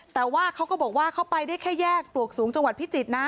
แต่ว่าเขาก็บอกว่าเขาไปได้แค่แยกปลวกสูงจังหวัดพิจิตรนะ